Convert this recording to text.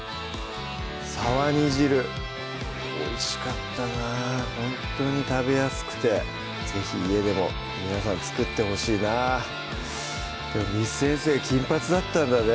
「沢煮汁」おいしかったなほんとに食べやすくて是非家でも皆さん作ってほしいなでも簾先生金髪だったんだね